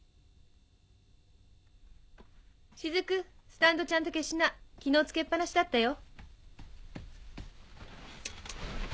雫スタンドちゃんと消しな昨日つけっ放しだったよ。